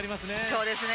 そうですね